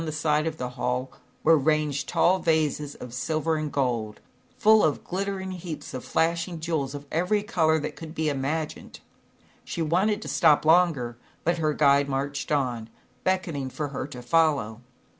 127 every J color that sides of the hall, were ranged tall vases of silver and gold, full of glittering heaps* of flashing jewels of could be imagined. She wanted to stop longer, but her guide marched on, beckoning her to to to follow.